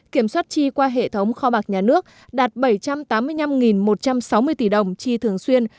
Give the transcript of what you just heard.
kiểm soát chi qua hệ thống kho bạc nhà nước đạt bảy trăm tám mươi năm một trăm sáu mươi tỷ đồng chi thường xuyên